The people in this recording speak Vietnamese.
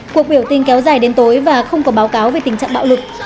cuộc biểu tình kéo dài đến tối và không có báo cáo về tình trạng bạo lực